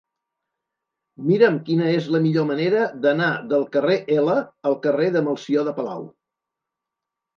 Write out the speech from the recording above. Mira'm quina és la millor manera d'anar del carrer L al carrer de Melcior de Palau.